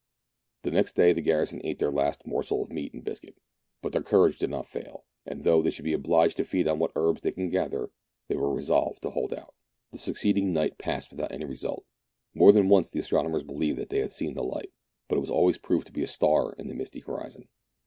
The next day the garrison ate their last morsel of meat and biscuit ; but their courage did not fail, and, though they should be obliged to feed on what herbs they could gather, they were resolved to hold out. The succeeding night passed without any result. More than once the astronomers believed that they had seen the light, but it was always proved to be a star in the misty horizon.